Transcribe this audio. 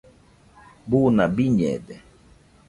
buna biñede